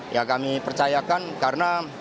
ya kami percayakan karena